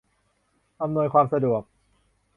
อำนวยความสะดวก